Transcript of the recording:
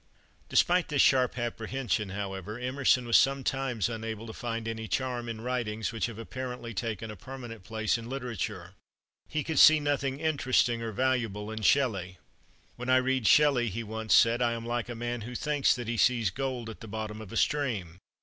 Despite this sharp apprehension, however, Emerson was sometimes unable to find any charm in writings which have apparently taken a permanent place in literature. He could see nothing interesting or valuable in Shelley. "When I read Shelley," he once said, "I am like a man who thinks that he sees gold at the bottom of a stream.